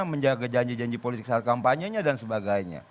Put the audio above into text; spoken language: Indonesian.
menjaga janji janji politik saat kampanye nya dan sebagainya